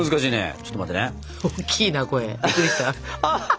ちょっと待って。